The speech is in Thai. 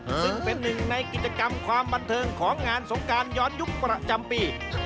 ซึ่งเป็นหนึ่งในกิจกรรมความบันเทิงของงานสงการย้อนยุคประจำปี